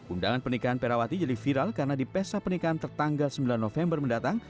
undangan pernikahan perawati jadi viral karena di pesta pernikahan tertanggal sembilan november mendatang